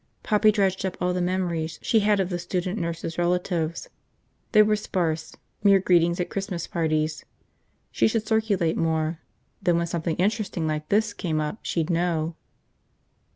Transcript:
Poppy dredged up all the memories she had of the student nurses' relatives. They were sparse, mere greetings at Christmas parties. She should circulate more, then when something interesting like this came up she'd know.